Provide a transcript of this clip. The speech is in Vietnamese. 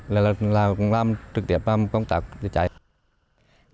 làm trực tiếp công tác cháy rừng